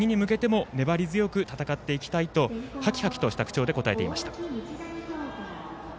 次につながる勝ち方、次に向けても粘り強く戦っていきたいとはきはきとした口調で話してくれました。